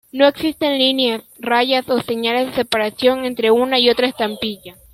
No existen líneas, rayas o señales de separación entre una y otra estampilla.